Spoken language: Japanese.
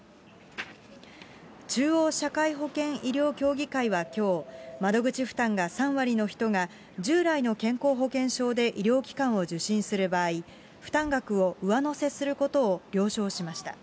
中央社会保険医療協議会はきょう、窓口負担が３割の人が、従来の健康保険証で医療機関を受診する場合、負担額を上乗せすることを了承しました。